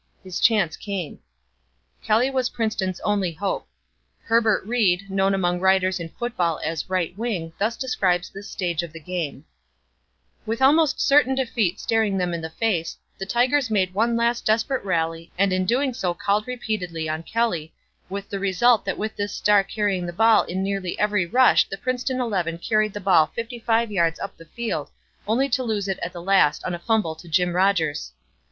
His chance came. Kelly was Princeton's only hope. Herbert Reed, known among writers on football as "Right Wing," thus describes this stage of the game: "With almost certain defeat staring them in the face, the Tigers made one last desperate rally and in doing so called repeatedly on Kelly, with the result that with this star carrying the ball in nearly every rush the Princeton eleven carried the ball fifty five yards up the field only to lose it at last on a fumble to Jim Rodgers.